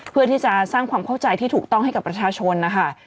เพื่อที่จะสร้างความเข้าใจที่ถูกต้องให้กับประชาชนนะคะ